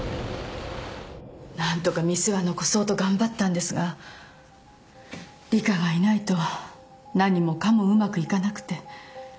何とか店は残そうと頑張ったんですが里香がいないと何もかもうまくいかなくて。